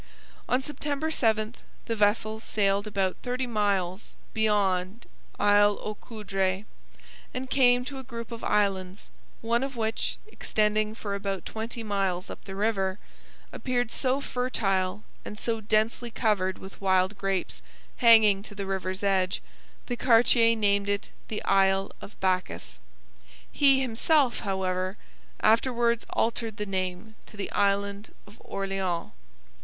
On September 7 the vessels sailed about thirty miles beyond Isle aux Coudres, and came to a group of islands, one of which, extending for about twenty miles up the river, appeared so fertile and so densely covered with wild grapes hanging to the river's edge, that Cartier named it the Isle of Bacchus. He himself, however, afterwards altered the name to the Island of Orleans.